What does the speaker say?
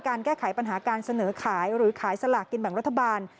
แก้ไขปัญหาการเสนอขายหรือขายสลากกินแบ่งรัฐบาล